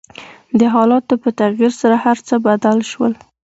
د حالاتو په تغير سره هر څه بدل شول .